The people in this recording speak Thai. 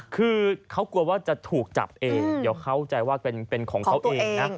คือเขากลัวว่าจะถูกจับเองเดี๋ยวเข้าใจว่าเป็นของเขาเองนะ